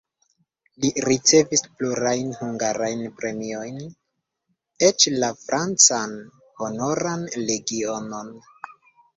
Li ricevis plurajn hungarajn premiojn, eĉ la francan Honoran legion.